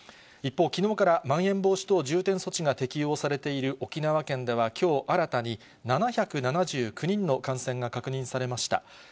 一方、きのうからまん延防止等重点措置が適用されている沖縄県では、きょう新たに７７９人の感染が確認されました。